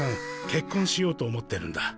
結婚しようと思ってるんだ。